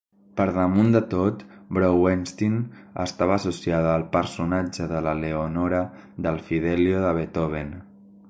Per damunt de tot, Brouwenstijn estava associada al personatge de la Leonora del "Fidelio" de Beethoven.